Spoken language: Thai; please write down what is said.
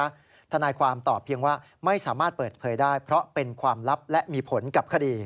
ทนายความตอบเพียงว่าไม่สามารถเปิดเผยได้เพราะเป็นความลับและมีผลกับคดี